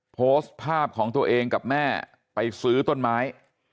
โพสต์ภาพของตัวเองกับแม่ไปซื้อต้นไม้